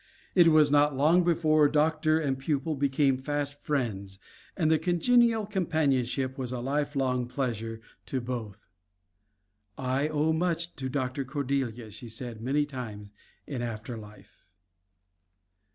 It was not long before doctor and pupil became fast friends and the congenial companionship was a life long pleasure to both. "I owe much to Dr. Cordelia," she said many times in after life.